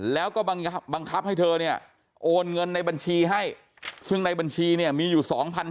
แล้วก็บังคับให้เธอเนี่ยโอนเงินในบัญชีให้ซึ่งในบัญชีเนี่ยมีอยู่๒๕๐๐